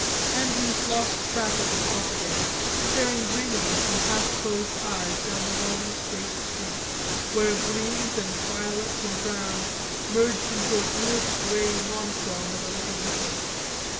Andrews lost track of the talk again, staring dreamily through half closed eyes down the long straight street, where greens and violets and browns merged into a bluish grey monochrome at a little distance.